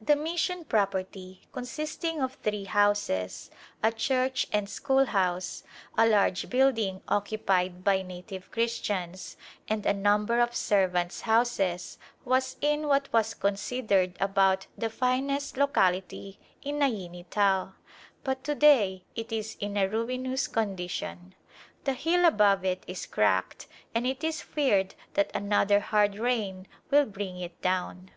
The mission property, consisting of three houses, a church and schoolhouse, a large building occupied by native Christians, and a number of serv ants' houses, was in what was considered about the finest locality in Naini Tal, but to day it is in a ruin ous condition. The hill above it is cracked and it is feared that another hard rain will bring it down.